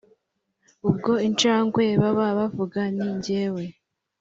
"ubwo injangwe baba bavuga ni jyewe